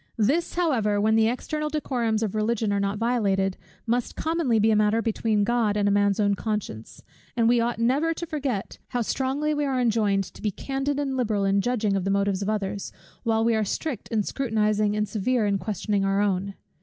This however, when the external decorums of Religion are not violated, must commonly be a matter between God and a man's own conscience; and we ought never to forget how strongly we are enjoined to be candid and liberal in judging of the motives of others, while we are strict in scrutinizing and severe in questioning our own.